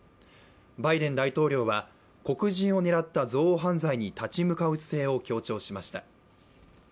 バイデン大統領は黒人を狙った憎悪犯罪に立ち向かう姿勢を強調しました。